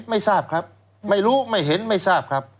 ไม่รู้ไม่เห็นไม่ทราบครับ